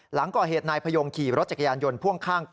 หลังก่อเหตุนายพยงขี่รถจักรยานยนต์พ่วงข้าง